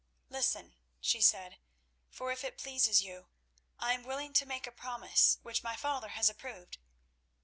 "Listen," she said; "for if it pleases you, I am willing to make a promise which my father has approved.